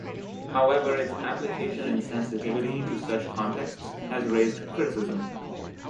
However, its application insensitivity to such contexts has raised criticism.